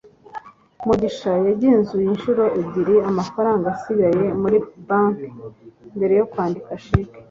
mugisha yagenzuye inshuro ebyiri amafaranga asigaye muri banki mbere yo kwandika sheki